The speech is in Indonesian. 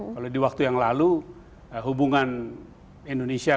kalau diwaktu yang lalu hubungan indonesia dengan negara al bisa di dalam konteks politik